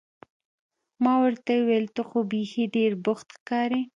ما ورته وویل: ته خو بیخي ډېر بوخت ښکارې.